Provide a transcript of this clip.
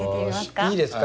いいですか？